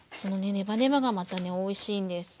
ネバネバがまたねおいしいんです。